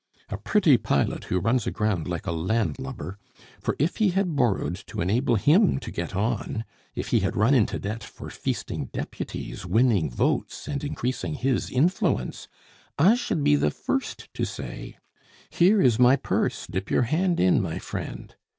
A pretty pilot, who runs aground like a land lubber; for if he had borrowed to enable him to get on, if he had run into debt for feasting Deputies, winning votes, and increasing his influence, I should be the first to say, 'Here is my purse dip your hand in, my friend!